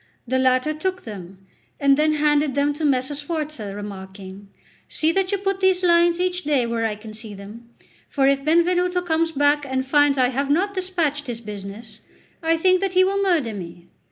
The latter took them, and then handed them to Messer Sforza, remarking: "See that you put these lines each day where I can see them; for if Benvenuto comes back and finds I have not despatched his business, I think that he will murder me."